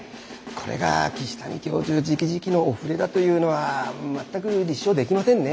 これが岸谷教授じきじきのお触れだというのは全く立証できませんね。